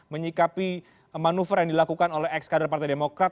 menyikapi manuver yang dilakukan oleh ex kader partai demokrat